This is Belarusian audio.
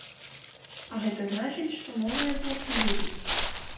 А гэта значыць, што новыя зоркі будуць.